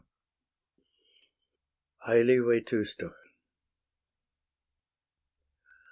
AELI VETUSTO.